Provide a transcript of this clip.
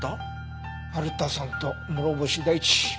春田さんと諸星大地。